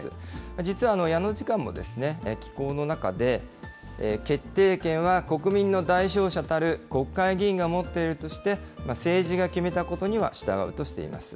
実は矢野次官も寄稿の中で、決定権は国民の代表者たる国会議員が持っているとして、政治が決めたことには従うとしています。